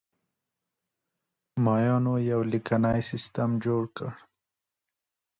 مایانو یو لیکنی سیستم جوړ کړ.